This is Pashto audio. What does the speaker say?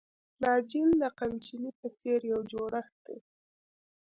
فلاجیل د قمچینې په څېر یو جوړښت دی.